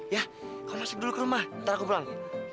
ya kalau masuk dulu ke rumah ntar aku pulang